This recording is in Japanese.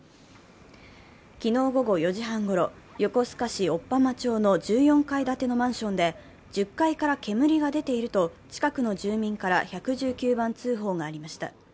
昨日午後４時半ごろ、横須賀市追浜町の１４階建てのマンションで１０階から煙が出ていると近くの住民から１１９番通報がありました。